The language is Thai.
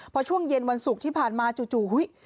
พอช่วงเย็นวันศุกร์ที่ผ่านมาจู่อุ๊ย